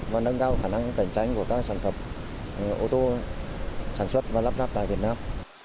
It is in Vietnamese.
và nâng cao khả năng cạnh tranh của các sản phẩm ô tô sản xuất và lắp ráp tại việt nam